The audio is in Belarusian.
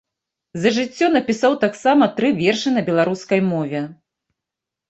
За жыццё напісаў таксама тры вершы на беларускай мове.